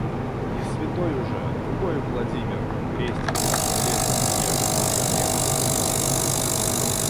Не святой уже — другой, земной Владимир крестит нас железом и огнем декретов.